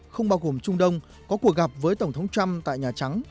không bao gồm trung đông có cuộc gặp với tổng thống trump tại nhà trắng